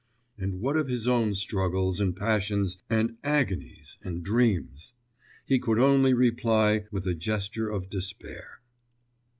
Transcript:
And what of his own struggles and passions and agonies and dreams? He could only reply with a gesture of despair.